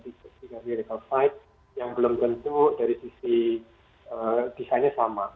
masalahnya itu ada tiga situs tiga medical site yang belum tentu dari sisi desainnya sama